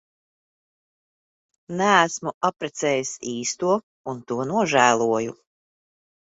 Neesmu apprecējis īsto un to nožēloju.